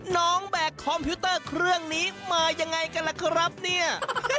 แบกคอมพิวเตอร์เครื่องนี้มายังไงกันล่ะครับเนี่ย